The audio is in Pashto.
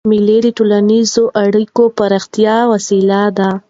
مېلې د ټولنیزو اړیکو د پراختیا وسیله ده.